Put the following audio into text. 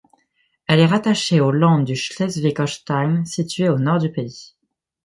Elle est rattachée au land du Schleswig-Holstein situé au nord du pays.